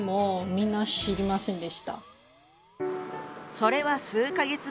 それは数か月前。